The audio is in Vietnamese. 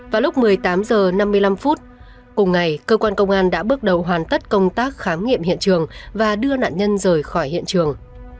vào lúc một mươi tám h năm mươi năm cùng ngày cơ quan công an đã bước đầu hoàn tất công tác khám nghiệm hiện trường và đưa nạn nhân rời khỏi hiện trường